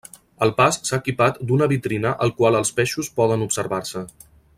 El pas s'ha equipat d'una vitrina al qual els peixos poden observar-se.